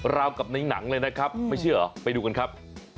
ราวกับในหนังเลยนะครับไม่เชื่อเหรอไปดูกันครับ